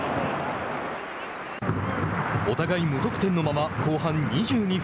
お互い無得点のまま後半２２分。